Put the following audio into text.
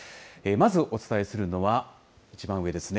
まずお伝えするのは、一番上ですね。